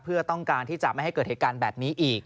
เพื่อต้องการที่จะไม่ให้เกิดเหตุการณ์แบบนี้อีก